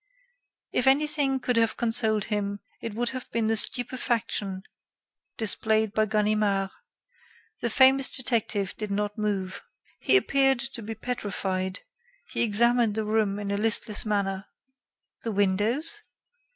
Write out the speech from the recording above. If anything could have consoled him, it would have been the stupefaction displayed by Ganimard. The famous detective did not move. He appeared to be petrified; he examined the room in a listless manner. The windows?....